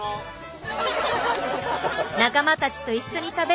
仲間たちと一緒に食べるお昼ごはん。